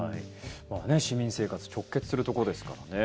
市民生活直結するところですからね。